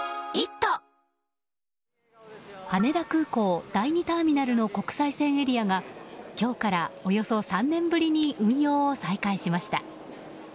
羽田空港第２ターミナルの国際線エリアが今日から、およそ３年ぶりに運用を再開しました。